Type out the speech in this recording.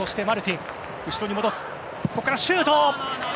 ここからシュート！